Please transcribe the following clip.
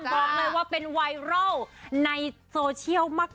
บอกเลยว่าเป็นไวรัลในโซเชียลมาก